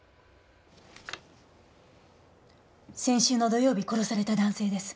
先週の土曜日殺された男性です。